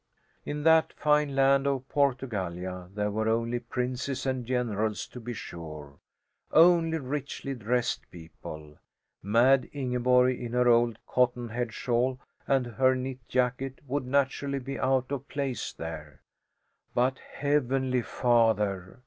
In that fine land of Portugallia there were only princes and generals, to be sure only richly dressed people. Mad Ingeborg in her old cotton headshawl and her knit jacket would naturally be out of place there. But Heavenly Father!